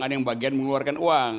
ada yang bagian mengeluarkan uang